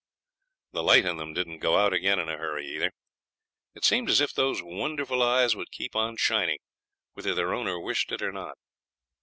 The light in them didn't go out again in a hurry, either. It seemed as if those wonderful eyes would keep on shining, whether their owner wished it or not.